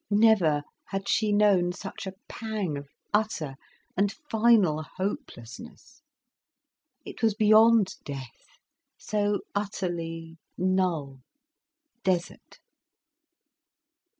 Never had she known such a pang of utter and final hopelessness. It was beyond death, so utterly null, desert.